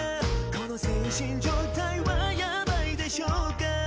この精神状態はヤバイでしょうか？